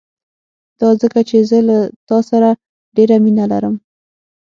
دا ځکه چې زه له تا سره ډېره مينه لرم.